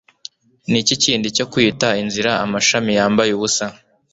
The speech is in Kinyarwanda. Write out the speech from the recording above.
Niki kindi cyo kwita inzira amashami yambaye ubusa